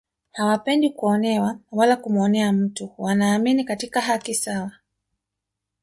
Hawapendi kuonewa wala kumuonea mtu wanaamini katika haki sawa